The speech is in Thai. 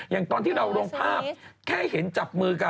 มั้ยซมีด